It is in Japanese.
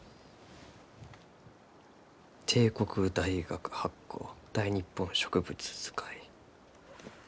帝国大学発行「大日本植物図解」。